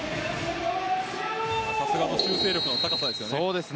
さすがの修正力の高さです。